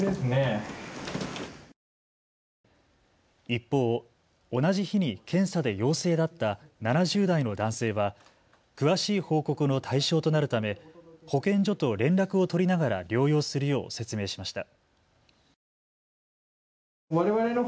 一方、同じ日に検査で陽性だった７０代の男性は詳しい報告の対象となるため保健所と連絡を取りながら療養するよう説明しました。